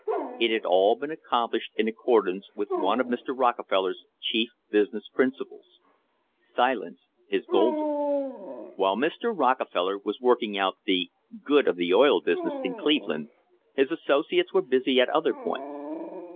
It had all been accom plished in accordance with one of Mr. Rockefeller's chief business principles — "Silence is golden." While Mr. Rockefeller was working out the "good of the oil business" in Cleveland, his associates were busy at other points.